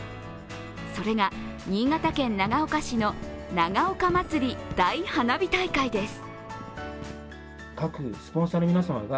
それが、新潟県長岡市の長岡まつり大花火大会です。